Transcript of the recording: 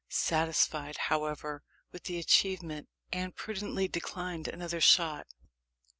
Satisfied, however, with the' achievement, Anne prudently declined another shot.